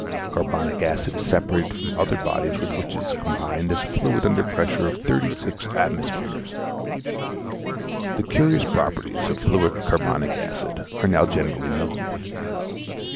Carbonic acid is separated from other bodies with which it is combined as a fluid under a pressure of thirty six atmospheres. The curious properties of fluid carbonic acid are now generally known.